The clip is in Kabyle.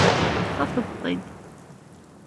Tettafeḍ-tent-id.